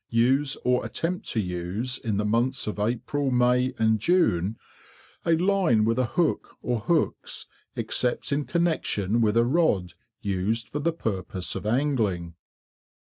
Use or attempt to use in the months of April, May, and June, a line with a hook or hooks, except in connection with a rod used for the purpose of Angling.